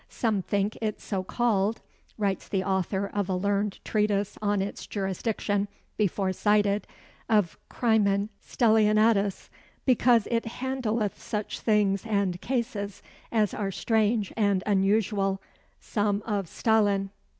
"Some think it so called," writes the author of a learned treatise on its jurisdiction, before cited, "of Crimen Stellionatus, because it handleth such things and cases as are strange and unusual: some of Stallen.